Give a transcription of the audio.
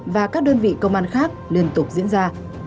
và các đơn vị công an khác liên tục diễn ra